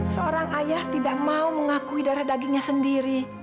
seorang ayah tidak mau mengakui darah dagingnya sendiri